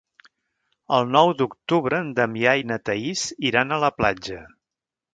El nou d'octubre en Damià i na Thaís iran a la platja.